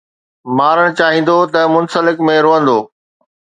مارڻ چاهيندو ته منسلڪ ۾ روئندو